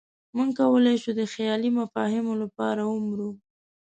موږ کولی شو د خیالي مفاهیمو لپاره ومرو.